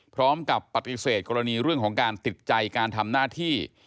พร้อมกับปฏิเสธกรณีเรื่องของการติดใจการทำหน้าที่